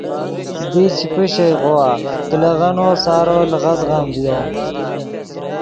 دی چے پیشئیغوآ کلیغنّو سارو لیغدغم ڤیو